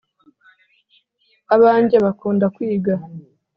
abange bakunda kwiga